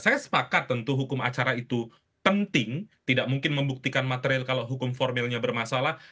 saya sepakat tentu hukum acara itu penting tidak mungkin membuktikan material kalau hukum formilnya bermasalah